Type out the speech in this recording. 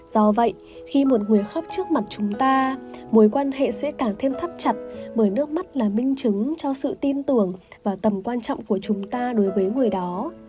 do vậy khi một người khóc trước mặt chúng ta mối quan hệ sẽ càng thêm thắt chặt bởi nước mắt là minh chứng cho sự tin tưởng và tầm quan trọng của chúng ta đối với người đó